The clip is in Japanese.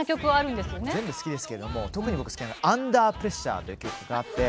全部好きですけども特に好きなのは「アンダー・プレッシャー」という曲です。